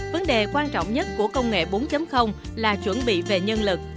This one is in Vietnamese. vấn đề quan trọng nhất của công nghệ bốn là chuẩn bị về nhân lực